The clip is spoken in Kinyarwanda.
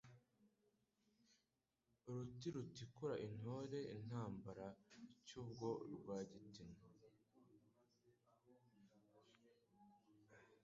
Ruti rutikura intore intambara icy'ubwo Rwagitinywa,